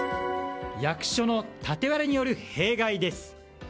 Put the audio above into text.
役所の縦割りによる弊害です。